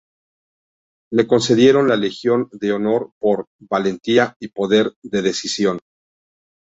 Le concedieron la Legión de Honor por "valentía y poder de decisión.